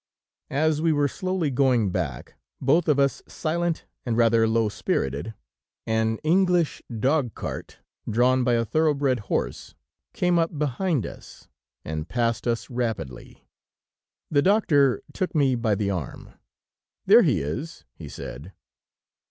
As we were slowly going back, both of us silent and rather low spirited, an English dog cart, drawn by a thoroughbred horse, came up behind us, and passed us rapidly. The doctor took me by the arm. "There he is," he said.